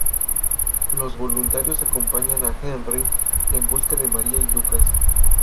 Los voluntarios acompañan a Henry en busca de María y Lucas.